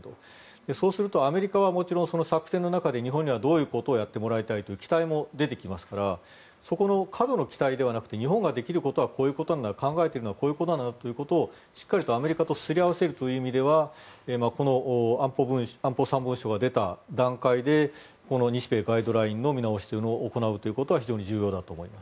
そうするとアメリカはもちろんその作戦の中で日本にはどういうことをしてもらいたいという期待も出てきますからそこの過度の期待ではなくて日本ができることはこういうことになる考えていることはこういうことなんだということをしっかりとアメリカとすり合わせるという意味ではこの安保３文書が出た段階でこの日米ガイドラインの見直しを行うことは重要だと思います。